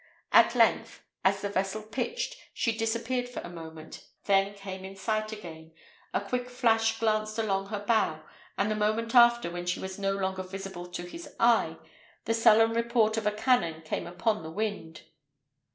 At length, as the vessel pitched, she disappeared for a moment, then came in sight again; a quick flash glanced along her bow, and the moment after, when she was no longer visible to his eye, the sullen report of a cannon came upon the wind.